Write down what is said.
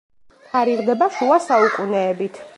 თარიღდება შუა საუკუნეებით.